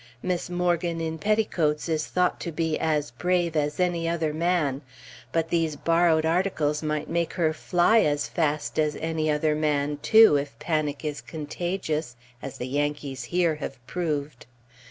Miss Morgan in petticoats is thought to be "as brave as any other man"; but these borrowed articles might make her fly as fast "as any other man," too, if panic is contagious, as the Yankees here have proved.